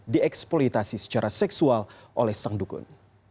dieksploitasi secara seksual oleh sang dukun